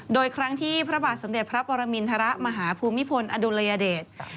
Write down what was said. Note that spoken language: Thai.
โดยครั้งที่พระบาทสมเด็จพระปรมินทรมาฮภูมิพลอดุลยเดช